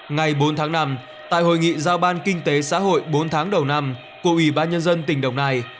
ngày bốn tháng năm tại hội nghị giao ban kinh tế xã hội bốn tháng đầu năm của ủy ban nhân dân tỉnh đồng nai